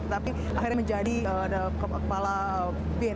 tetapi akhirnya menjadi kepala bin